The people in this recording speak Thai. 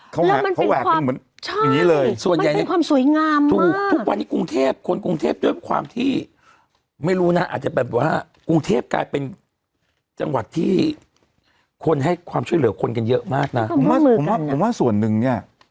ตอนนี้กรุงเทพฯเปลี่ยนไปเยอะเนี่ย